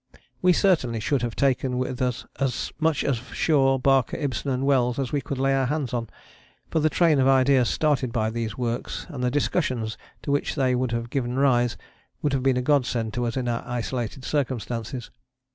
We certainly should have taken with us as much of Shaw, Barker, Ibsen and Wells as we could lay our hands on, for the train of ideas started by these works and the discussions to which they would have given rise would have been a godsend to us in our isolated circumstances.